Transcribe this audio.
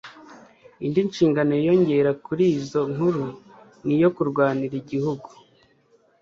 Indi shingano yiyongeraga kuri izo nkuru ni iyo kurwanira igihugu